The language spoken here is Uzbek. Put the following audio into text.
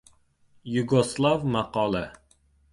Yugoslav maqoli